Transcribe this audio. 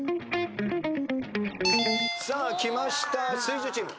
さあきました水１０チーム。